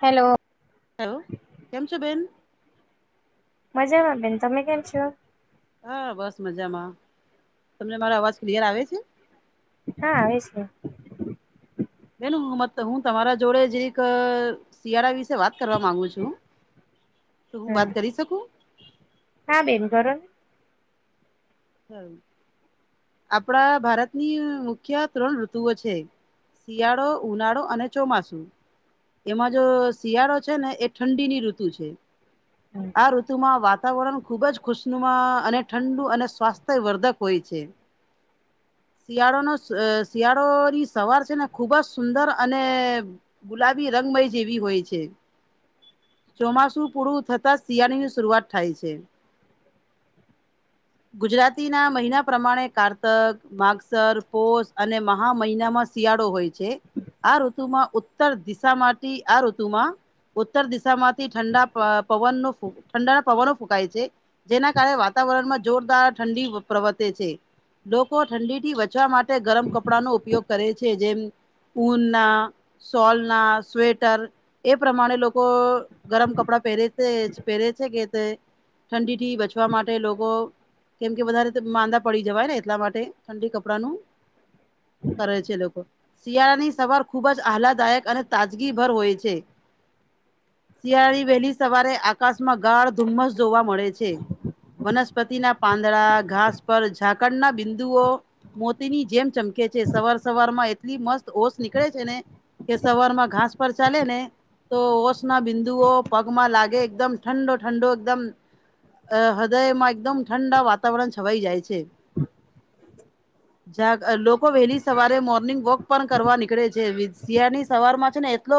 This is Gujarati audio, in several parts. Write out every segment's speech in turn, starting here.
હેલો. હલો, કેમ છો બેન? મજામાં બેન. તમે કેમ છો? હા, બસ મજામાં. તમને મારો અવાજ ક્લિયર આવે છે? હા, આવે છે. બેન હું તમારા જોડે જે એક. શિયાળા વિશે વાત કરવા માંગુ છું, તો હું હમ વાત કરી શકું? હા, બેન કરોને. આપણા ભારતની મુખ્ય ત્રણ ઋતુઓ છે. શિયાળો, ઉનાળો અને ચોમાસુ. એમાં જો શિયાળો છે ને, એ ઠંડીની ઋતુ છે. ને આ ઋતુમાં વાતાવરણ ખુબ જ ખુશનુમા અને ઠંડુ અને સ્વાસ્થ. વર્ધક હોય છે. શિયાળો નો શિયાળો ની સવાર છે, ને ખુબ જ સુંદર અને ગુલાબી રંગમય જેવી હોય છે. ચોમાસું પૂરું થતા, શિયાળની શરૂઆત થાય છે. ગુજરાતી ના મહિના પ્રમાણે, કારતક માગસર, પોષ અને મહા મહિનામાં શિયાળો હોય છે. આ ઋતુમાં ઉત્તર દિશા માટે આ ઋતુમાં ઉત્તર દિશામાંથી ઠંડા પવન ઠંડાના પવનો ફૂંકાય છે જેના કારણે વાતાવરણમાં જોરદાર ઠંડી પ્રવર્તે છે લોકો ઠંડી થી બચવા માટે ગરમ કપડાનો ઉપયોગ કરે છે જેમ ઊનના સોલના સ્વેટર એ પ્રમાણે લોકો ગરમ કપડાં પહેરે છે પહેરે છે કે તે ઠંડી થી બચવા માટે લોકો કેમ કે વધારે માંદા પડી જવાય ને એટલા માટે ઠંડી કપડાનું કરે છે લોકો શિયાળાની સવાર ખૂબ જ આહલાદાયક અને તાજગીભર હોય છે શિયાળી વહેલી સવારે આકાશમાં ગાળ ધુમ્મસ જોવા મળે છે વનસ્પતિના પાંદડા ઘાસ પર ઝાકણ ના બિંદુઓ મોતીની જેમ ચમકે છે સવાર સવાર માં એટલી મસ્ત ઓશ નીકળે છે ને કે સવાર માં ઘાસ પર ચાલે ને તો ઓશ ના બિંદુઓ પગમાં લાગે એકદમ ઠંડો ઠંડો એકદમ અ હૃદયમાં એકદમ ઠંડા વાતાવરણ છવાઈ જાય છે જ લોકો વહેલી સવારે મોર્નિંગ વોક પણ કરવા નીકળે છે શિયાળની સવાર માં છે ને એટલો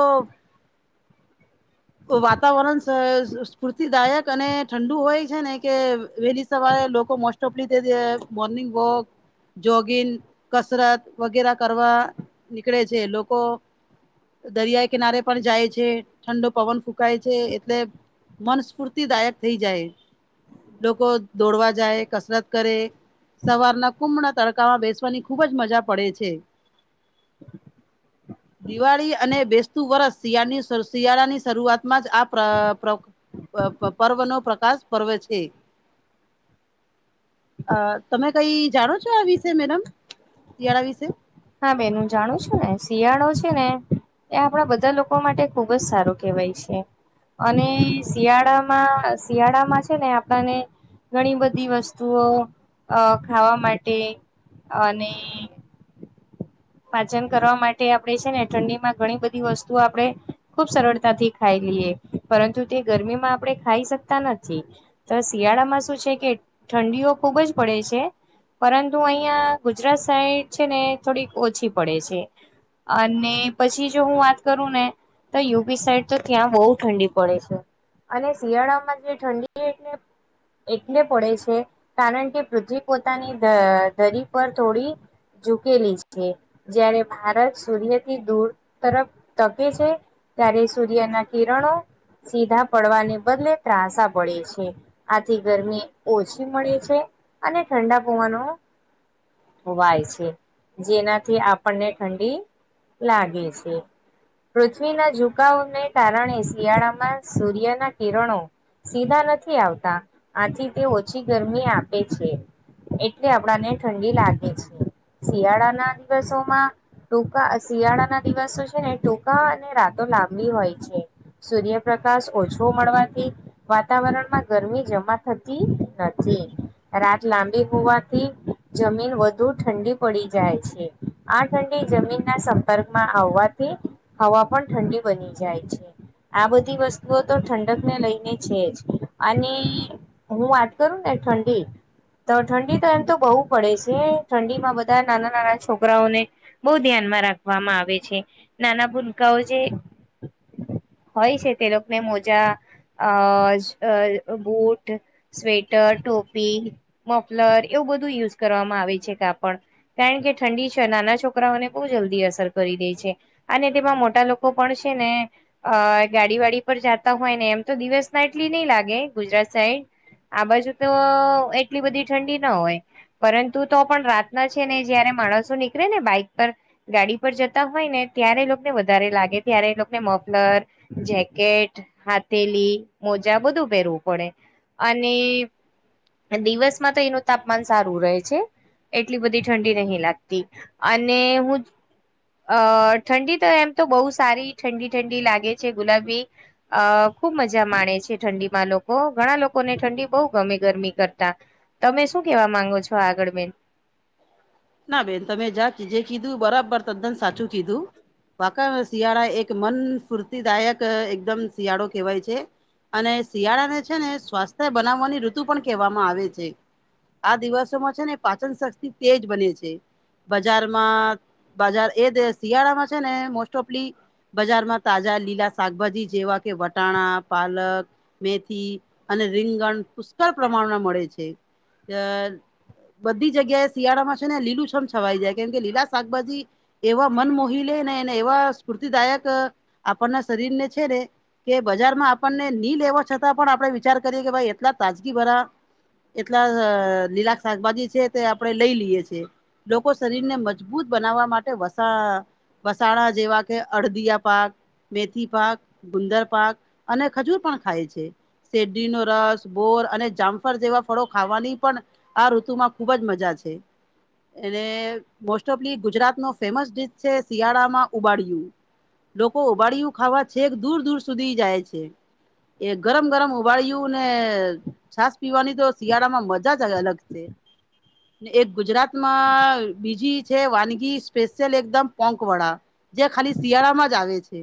ઓ વાતાવરણ સ્ફૂર્તિદાયક અને ઠંડુ હોય છે ને કે વેન સવારે લોકો મોસ્ટ ઓફ રીતે મોર્નિંગ વોક જોગિંન કસરત વગેરે કરવા નીકળે છે લોકો દરિયા કિનારે પણ જાય છે ઠંડો પવન ફૂંકાય છે એટલે મનસ્ફૂર્તિદાયક થઈ જાય લોકો દોડવા જાય કસરત કરે સવારના કુણાના તડકામાં બેસવાની ખૂબ જ મજા પડે છે દિવાળી અને બેસતું વરષ શળની શિયાળાની શરૂઆત માં જ આ પર્વ નો પ્રકાશ પર્વે છે અ તમે કઈ જાણો છો આ વિશે મેડમ શિયાળા વિશે હા બેન જાણું છું ને શિયાળો છે ને એ આપણા બધા લોકો માટે ખુબ જ સારું કહેવાય છે અને શિયાળામાં શિયાળામાં છે ને આપણાને ઘણી બધી વસ્તુઓ અ ખાવા માટે અને પાચન કરવા માટે આપણેે છે ને ઠંડી માં ઘણી બધી વસ્તુઓ આપણેે ખુબ સરળતાથી ખાઈ લઈએ પરંતુ તે ગરમીમાં આપણે ખાઈ શકતા નથી તો શિયાળામાં શું છે કે ઠંડીઓ ખુબ જ પડે છે પરંતુ અહિયાં ગુજરાત સાઈડ છે ને થોડીક ઓછી પડે છે અને પછી જો હું વાત કરું ને તો યુપી સાઈડ તો ત્યાં બહુ ઠંડી પડે છે અને શિયાળામાં જે ઠંડી એટલે એટલે પડે છે કારણ કે પૃથ્વી પોતાની દરી પર થોડી ઝૂકેલી છે જ્યારે ભારત સૂર્યથી દૂર તરફ તકે છે ત્યારે સૂર્યના કિરણો સીધા પડવાને બદલે ત્રાાસ પડે છે આથી ગરમી ઓછી મળે છે અને ઠંડા પવનો ઉવાાય છે જેનાથી આપણને ઠંડી લાગે છે પૃથ્વીના ઝુકાવને કારણે શિયાળામાં સૂર્યના કિરણો સીધા નથી આવતા આથી તે ઓછી ગરમી આપે છે એટલે આપણાને ઠંડી લાગે છે શિયાળાના દિવસોમાં ટૂંકા શિયાળાના દિવસો છે ને ટૂંકા અને રાતો લાંબી હોય છે સૂર્યપ્રકાશ ઓછો મળવાથી વાતાવરણમાં ગરમી જમા થતી નથી. રાત લાંબી હોવાથી જમીન વધુ ઠંડી પડી જાય છે. આ ઠંડી જમીન ના સંપર્ક માં આવવાથી હવા પણ ઠંડી બની જાય છે. આ બધી વસ્તુઓ તો ઠંડક ને લઈને છે જ અને હું વાત કરું ને ઠંડી તો ઠંડી તો એમ તો બહુ પડે છે ઠંડી માં બધ નાના નાના છોકરાઓને બહુ ધ્યાનમાં રાખવામાં આવે છે. નાના ભૂનકાઓ જે હોય છે તે લોકોને મોજા અ અ બૂટ, સ્વેટર, ટોપી મોફલર એવું બધું યુઝ કરવામાં આવે છે કાપડ. કારણ કે ઠંડી છે નાના છોકરાઓને બહુ જલ્દી અસર કરી દે છે. અને તેમાં મોટા લોકો પણ છે ને અ ગાડી વાડી પર જતા હોય ને એમ તો દિવસ ના એટલી નઈ લાગે ગુજરાત સાઈડ આ બાજુ તો એટલી બધી ઠંડી ના હોય, પરંતુ તો પણ રાત ના છે ને જયારે માણસો નીકળે ને બાઈક પર ગાડી પર જતા હોય ને ત્યારે લોકોને વધારે લાગે ત્યારે લોકોને મોફલર જેકેટ, હાથેલી, મોજા બધું પહેરવું પડે. અને દિવસમાં તો એનું તાપમાન સારું રહે છે. એટલી બધી ઠંડી નહી લાગતી અને હું અ ઠંડી તો એમ તો બહુ સારી ઠંડી ઠંડી લાગે છે ગુલાબી અ ખુબ મજા માણે છે ઠંડી માં લોકો, ઘણા લોકોને ઠંડી બહુ ગમે ગરમી કરતા. તમે શું કેવા માંગો છો આગળ બેન? ના બેન તમે જા જે કીધું બરાબર તદ્દન સાચું કીધું. પાકા શિયાળા એક મન સ્ફૂર્તિદાયક એકદમ શિયાળો કહેવાય છે. અને શિયાળા ને છે ને સ્વાસ્થ્ય બનાવવાની ઋતુ પણ કહેવામાં આવે છે. આ દિવસોમાં છે ને પાચન શક્તિ તેજ બને છે. છે, બજારમાં બજાર એ શિયાળામાં છે ને મોસ્ટ ઓફલી બજારમાં તાજા લીલા શાકભાજી જેવા કે વટાણા, પાલક મેથી અને રીંગણ પુષ્કળ પ્રમાણમાં મળે છે. બધી જગ્યા એ શિયાળામાં છે ને લીલું છમ છવાઈ જાય કેમ કે લીલા શાકભાજી એવા મન મોહી લે ને ને એવા સ્ફૂર્તિદાયક આપણના શરીર ને છે ને કે બજાર માં આપણને ની લેવા છતાં પણ આપડે વિચાર કરીએ કે ભાઈ એટલા તાજગી ભરા એટલા લીલા શાકભાજી છે તે આપડે લઈ લઈએ છેએ. છે. લોકો શરીરને મજબૂત બનાવવા માટે વસાણ વસાણા જેવા કે અડદિયા પાક મેથી પાક, ગુંદર પાક અને ખજૂર પણ ખાય છે. શેરડીનો રસ, બોર અને જામફર જેવા ફળો ખાવાની પણ આ ઋતુ માં ખુબ જ મજા છે. અને મોસ્ટ ઓફલી ગુજરાત ન ફેમસ ડિશ છે શિયાળામાં ઉબાડિયું. લોકો ઉબાળયું ખાવા છેક દૂર દૂર સુધી જાય છે. એ ગરમ ગરમ ઉબાળયું ને છાસ પીવાની તો શિયાળામાં મજા જ અલગ છેને એક ગુજરાત માં બીજી છે વાનગી સ્પેશિયલ એકદમ પોંક વડા. જે આ ખાલી શિયાળામાં જ આવે છે.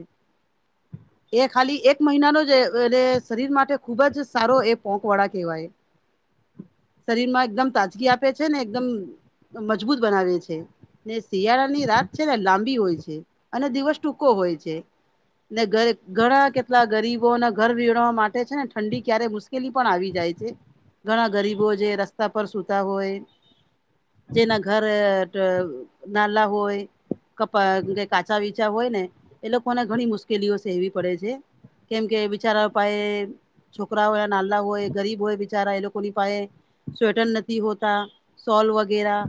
એ ખાલી એક મહિનાનો જ એટલે શરીર માટે ખુબ જ સારો એ પોંક વાળા કહેવાય. શરીરમાં એકદમ તાજગી આપે છે ને એકદમ મજબૂત બનાવે છે. ને શિયાળા ની રાત છે ને લાંબી હોય છે અને દિવસ ટૂંકો હોય છે. ને ઘણા કેટલા ગરીબોને ઘર વીણવા માટે છે ને ઠંડી ક્યારે મુશક કેલી પણ આવી જાય છે. ઘણા ગરીબો જે રસ્તા પર સુૂતા હોય જેના ઘર અ નાલા હોય કપ કે કાચા વિચા હોય ને એ લોકોને ઘણી મુશ્કેલીઓ સહેવી પડે છે. કેમ કે બિચારા ઉપાય છોકરા હોય નાલા હોય ગરીબ હોય બિચારા એ લોકોની પાસેે સ્વેટર નથી હોતા સોલ વગેરા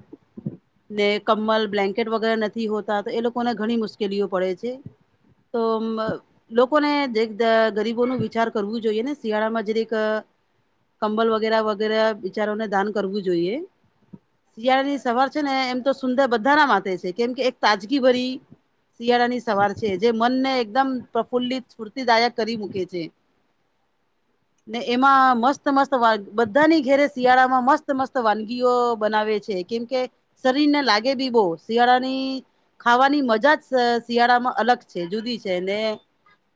ને કમલ બ્લેન્કેટ વગેરે નથી હોતા તો એ લોકોને ઘણી મુશ્કેલીઓ પડે છે. તો હમ્મ. લોકોને ગરીબો નુ વિચાર કરવું જોઈએ ને શિયાળામાં જરિક અ કંબલ વગેરા વગેરા બિચારોને દાન કરવું જોઈએ. શિયાળા ની સવાર છે ને એમ તો સુંદર બધાના માટે છે કેમ કે એક તાજગીભરી શિયાળા ની સવાર છે જે મનને એકદમ પ્રફુલ્લિત સ્ફૂર્તિદાયક કરી મૂકે છે. ને એમાં મસ્ત મસ્ત બધાની ઘેરે શિયાળામાં મસ્ત મસ્ત વાનગીઓ બનાવે છે કેમ કે શરીર ને લાગે બી બહુ શિયાળાની ખાવાની મજા જ શિયાળામાં અલગ છે જુદી છે ને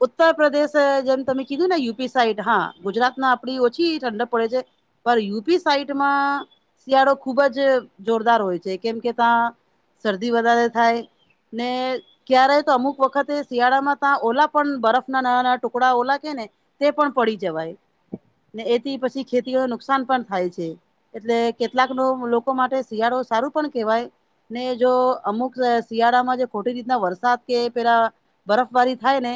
ઉત્તર પ્રદેશ જેમ તમે કીધું ને યુપી સાઈડ હા ગુજરાત આપડી ઓછી ઠંડક પડે છે. પણ યુપી સાઈડમાં શિયાળો ખુબ જ જોરદાર હોય છે કેમ કે ત્યાં શરદી વધારે થાય ને ક્યારે તો અમુક વખતે શિયાળામાં તા ઓલા પણ બરફ ના નાના નાના ટુકડા ઓલા છે ને તે પણ પડી જવાય ને એથી પછી ખેતીઓને નુકસાન પણ થાય છે એટલે કેટલાક લો લોકો માટે શિયાળો સારું પણ કહેવાય ને જો અમુક શિયાળામાં જે ખોટી રીતના વરસાદ કે પેલા બરફબારી થાય ને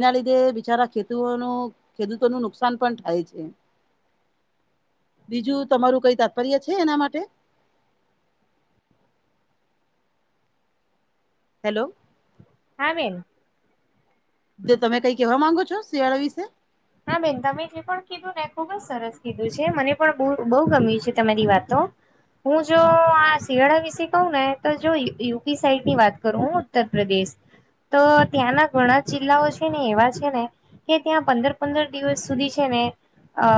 એના લીધે બિચારા ખેડુતોનું ખેડૂતોનું નુકસાન પણ થાય છે. બીજું તમારું કઈ તાત્પર્ય છે એના માટે હેલો. હા બેન. જો તમે કઈ કેવા માંગો છો શિયાળા વિશે હા બેન તમે જે પણ કીધું ને ખુબ જ સરસ કીધું છે મને પણ બહુ ગમ્યું છે તમારી વાતો હું જો આ શિયાળા વિશે કહું ને તો જો યુપી સાઈડ ની વાત કરું હું ઉત્તર પ્રદેશ તો ત્યાંના ઘણા જિલ્લાઓ છે ને એવા છે ને કે ત્યાં પંદર પંદર દિવસ સુધી છે ને અ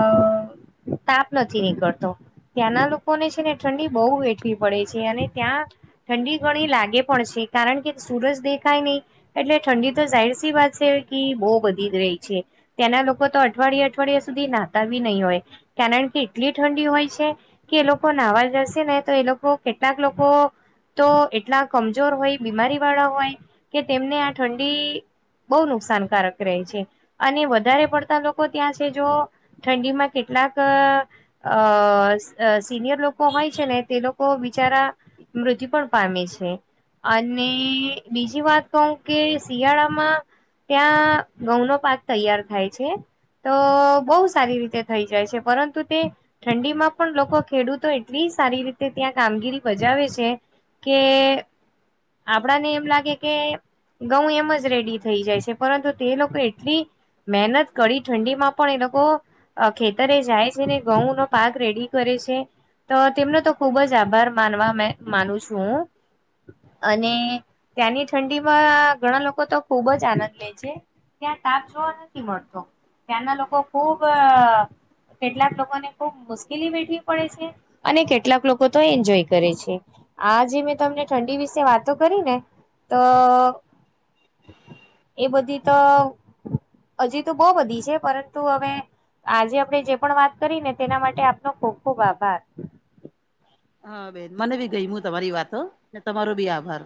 તાપ નથી નીકળતો ત્યાંના લોકોને છે ને ઠંડી બહુ વેઠવી પડે છે અને ત્યાં ઠંડી ઘણી લાગે પણ છે કારણ કે સુરજ દેખાય નહી. એટલે ઠંડી તો જાહેર સી વાત છે કિ બહુ બધી જ રહી છે તેના લોકો તો અઠવાડિયે અઠવાડિયા સુધી નાતાબી નહી હોય કારણ કે એટલી ઠંડી હોય છે કે એ લોકો નાવા જશે ને તો એ લોકો કેટલાક લોકો તો એટલા કમજોર હોય બીમારી વાળા હોય કે તેમને આ ઠંડી બહુ નુકસાનકારક રહે છે અને વધારે પડતા લોકો ત્યાં છે જો ઠંડીમાં કેટલાક અ અ સિનિયર લોકો હોય છે ને તે લોકો બિચારા મૃત્યુ પણ પામે છે. અને બીજી વાત કહું કે શિયાળામાં ત્યાં ઘઉંનો પાક તૈયાર થાય છે. તો બહુ સારી રીતે થઈ જાય છે પરંતુ તે ઠંડી માં પણ લોકો ખેડૂતો એટલી સારી રીતે ત્યાં કામગીરી બજાવે છે. કે આપડાને એમ લાગે કે ઘઉં એમ જ રેડી થઈ જાય છે પરંતુ તે લોકો એટલી મહેનત કડી ઠંડીમાં પણ એ લોકો ખેતરે જાય છે ને ઘઉં નો પાક રેડી કરે છે. તો તેમનો તો ખુબ જ આભાર માનવા માનું છું હું. અને ત્યાંની ઠંડીમાં ઘણા લોકો તો ખુબ જ આનંદ લે છે. ત્યાં તાપ જુઓ ને. મળતો ત્યાંના લોકો ખૂબ કેટલાક લોકોને ખુબ મુશ્કેલી બેઠી પડે છે અને કેટલાક લોકો તો એન્જોય કરે છે. આ જે મેં તમને ઠંડી વિશે વાતો કરી ને તોમેં એ બધી તો. હજી તો બહુ બધી છે પરંતુ હવે. આજે આપડણે જે પણ વાત કરી ને તેના માટે આપનો ખુબ ખુબ આભાર હા બેન મને બી ગઈ હું તમારી વાતો ને તમારો બી આભાર.